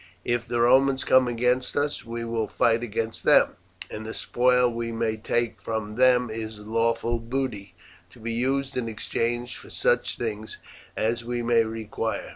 If the Romans come against us we will fight against them, and the spoil we may take from them is lawful booty, to be used in exchange for such things as we may require.